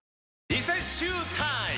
リセッシュータイム！